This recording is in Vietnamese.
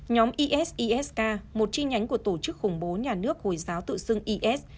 nhóm isisk một chi nhánh của tổ chức khủng bố nhà nước hồi giáo tự xưng is